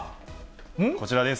こちらです。